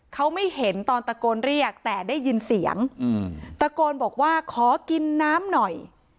เขาไม่เห็นตอนตะโกนเรียกแต่ได้ยินเสียงตะโกนบอกว่าขอกินน้ำหน่อย